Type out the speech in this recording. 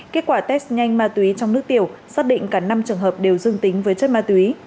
kết quả test nhanh ma túy trong nước tiểu xác định cả năm trường hợp đều dương tính với chất ma túy